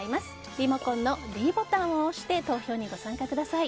リモコンのｄボタンを押して投票にご参加ください。